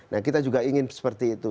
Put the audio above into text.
nah kita juga ingin seperti itu